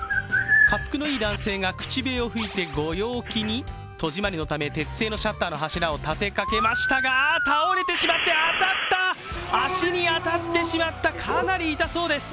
恰幅のいい男性が口笛を吹いて、ご陽気に戸締まりのため、鉄製のシャッターの柱を立てかけましたが、倒れてしまって当たった、足に当たってしまったかなり痛そうです。